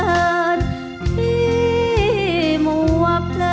ดูเขาเล็ดดมชมเล่นด้วยใจเปิดเลิศ